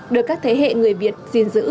được các thế hệ người việt diên dữ